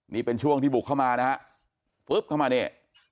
นี่เป็นช่วงที่บุกเข้ามานะฮะปุ๊บเข้ามานี่